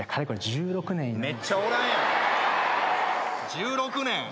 １６年！